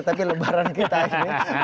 tapi lebaran kita ini